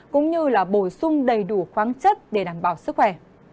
cũng như là bổ sung đầy đủ khoáng chất để đảm bảo sức khỏe